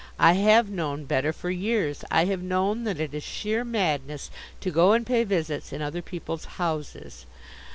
I have known better for years. I have known that it is sheer madness to go and pay visits in other people's houses.